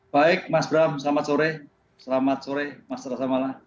baik mas bram selamat sore selamat sore mas rasamala